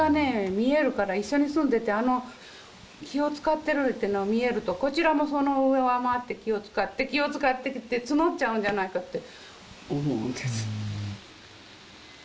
見えるから一緒に住んでてあの気をつかってるいうのが見えるとこちらもその上を上回って気をつかって気をつかってって募っちゃうんじゃないかって思うんです